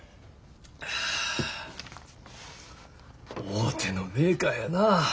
大手のメーカーやな。